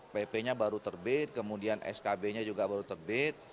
pp nya baru terbit kemudian skb nya juga baru terbit